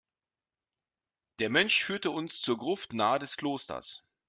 Der Mönch führte uns zur Gruft nahe des Klosters.